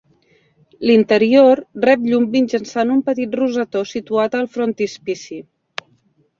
L'interior rep llum mitjançant un petit rosetó situat al frontispici.